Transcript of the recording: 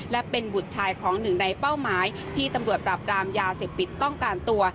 และเป็นบุตรชายของหนึ่งในเป้าหมายที่ตำรวจปราบรามยาเสพติดต้องการตัว